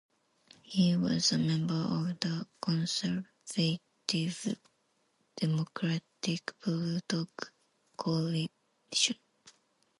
He was a member of the conservative Democratic Blue Dog Coalition.